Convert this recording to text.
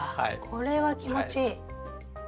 これは気持ちいい。